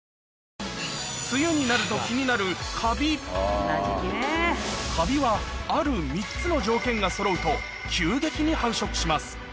梅雨になると気になるカビカビはある３つの条件がそろうと急激に繁殖します